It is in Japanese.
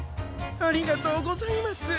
ありがとうございます。